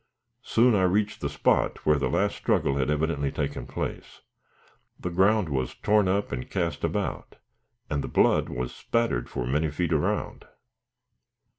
Soon I reached the spot where the last struggle had evidently taken place. The ground was torn up and cast about, and the blood was spattered for many feet around.